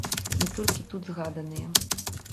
Не толькі тут згаданыя.